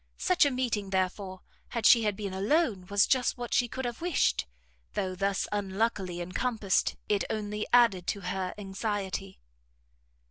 Such a meeting, therefore, had she been alone, was just what she could have wished, though, thus unluckily encompassed, it only added to her anxiety.